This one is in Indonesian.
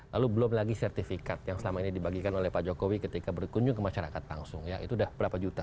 lalu belum lagi sertifikat yang selama ini dibagikan oleh pak jokowi ketika berkunjung ke masyarakat langsung ya itu sudah berapa juta